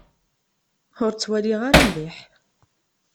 Ur ttwaliɣ ara mliḥ.